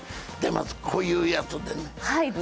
こういうやつでね。